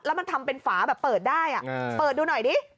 แล้วมันทำเป็นฝาแบบเปิดได้เปิดดูหน่อยดิ